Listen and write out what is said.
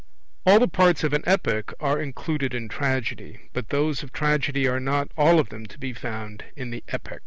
All the parts of an epic are included in Tragedy; but those of Tragedy are not all of them to be found in the Epic.